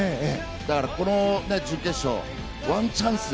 だからこの準決勝ワンチャンス